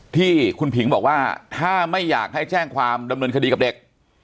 ที่คุณผิงบอกว่าถ้าไม่อยากให้แจ้งความดำเนินคดีกับเด็ก